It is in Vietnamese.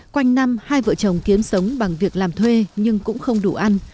quanh năm hai vợ chồng kiếm sống bằng việc làm thuê nhưng cũng không đủ ăn